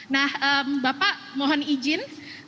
nah bapak mohon izin